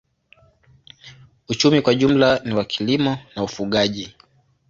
Uchumi kwa jumla ni wa kilimo na ufugaji.